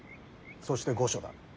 そして御所だ。